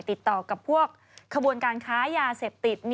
ติดต่อกับพวกขบวนการค้ายาเสพติด